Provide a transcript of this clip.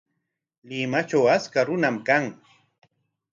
Limatraw achka runam kan.